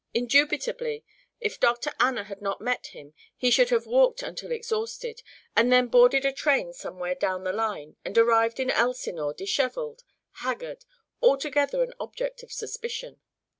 Indubitably, if Dr. Anna had not met him he should have walked until exhausted, and then boarded a train somewhere down the line and arrived in Elsinore dishevelled, haggard, altogether an object of suspicion.